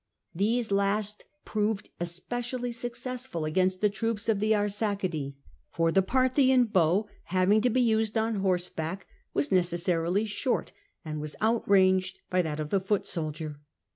These last proved especially successful against the troops of the Arsacidae, for the Parthian bow, having to be used on horseback, was necessarily short, and was out ranged by that of the foot soldier.